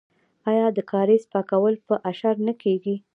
آیا د کاریز پاکول په اشر نه کیږي؟